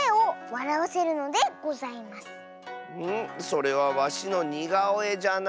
それはわしのにがおえじゃな。